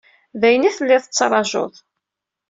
D ayen i telliḍ tettrajuḍ.